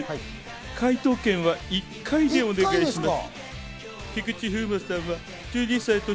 解答権は１回でお願いします。